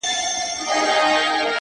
په دربار کي یوه لویه هنګامه وه-